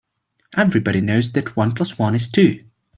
Everybody knows that one plus one is two.